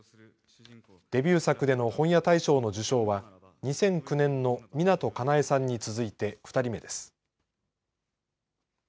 デビュー作での本屋大賞の受賞は２００９年の湊かなえさんに続いて２人目です。